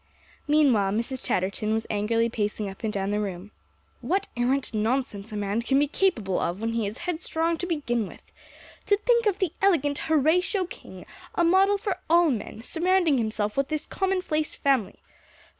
Meanwhile, Mrs. Chatterton was angrily pacing up and down the room. "What arrant nonsense a man can be capable of when he is headstrong to begin with! To think of the elegant Horatio King, a model for all men, surrounding himself with this commonplace family.